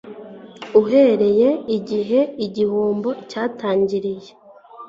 uhereye igihe igihombo cyatangiriye